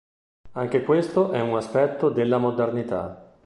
Anche questo è un aspetto della “modernità”.